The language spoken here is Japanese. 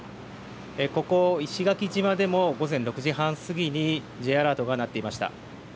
ここ、石垣島でも午前６時半過ぎにＪアラートが鳴っていました。